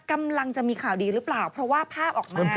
กำลังจะมีข่าวดีหรือเปล่าเพราะว่าภาพออกมา